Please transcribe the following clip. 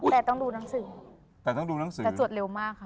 แต่ต้องดูหนังสือ